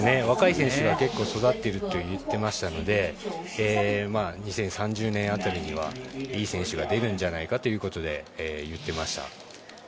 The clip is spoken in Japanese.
若い選手が育っていると言ってましたので２０３０年辺りにはいい選手が出るんじゃないかと言っていました。